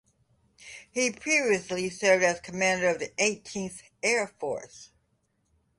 He previously served as commander of the Eighteenth Air Force.